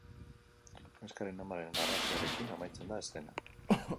Neskaren amaren garrasiarekin amaitzen da eszena.